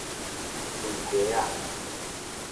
薰橛仔